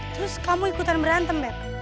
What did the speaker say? terus kamu ikutan berantem